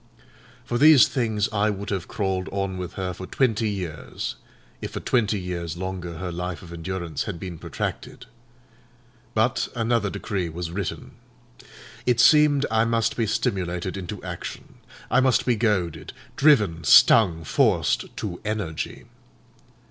For these things I would have crawled on with her for twenty years, if for twenty years longer her life of endurance had been protracted. But another decree was written. It seemed I must be stimulated into action. I must be goaded, driven, stung, forced to energy.